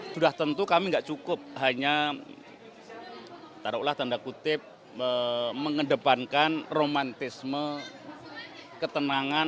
sudah tentu kami tidak cukup hanya mengedepankan romantisme ketenangan